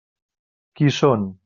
Qui són?